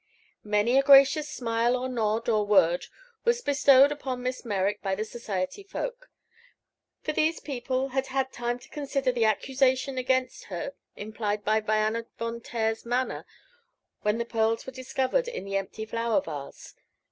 Many a gracious smile or nod or word was bestowed upon Miss Merrick by the society folk; for these people had had time to consider the accusation against her implied by Diana Von Taer's manner when the pearls were discovered in the empty flower vase.